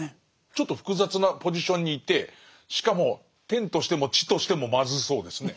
ちょっと複雑なポジションにいてしかも天としても地としてもまずそうですね。